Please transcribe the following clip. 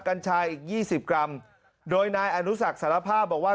กัญชายอีก๒๐กรัมโดยนายอนุศักดิ์สารภาพบอกว่า